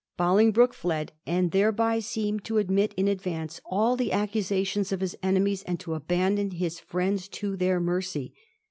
Bolingbroke fled, and thereby seemed to admit in advance all the accusations of his enemies and to abandon his friends to their mercy.